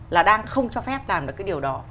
là đang không cho phép làm được cái điều đó